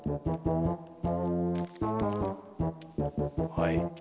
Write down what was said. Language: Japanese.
はい。